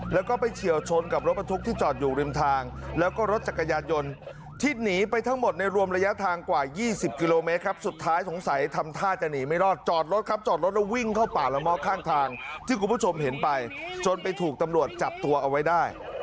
แล้วก็ไปเฉียวชนกับรถบรรทุกที่จอดอยู่ริมทางแล้วก็รถจักรยานยนต์ที่หนีไปทั้งหมดในรวมระยะทางกว่า๒๐กิโลเมตรครับสุดท้ายสงสัยทำท่าจะหนีไม่รอดจอดรถครับจอดรถแล้ววิ่งเข้าป่าละม้อข้างทางที่คุณผู้ชมเห็นไปจนไปถูกตำรวจจับตัวเอาไว้ได้